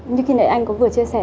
như khi nãy anh cũng vừa chia sẻ